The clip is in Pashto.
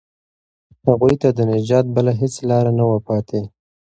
هغوی ته د نجات بله هیڅ لاره نه وه پاتې.